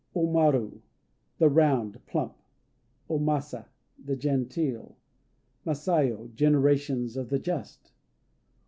O Maru "The Round," plump. O Masa "The Genteel." Masayo "Generations of the Just."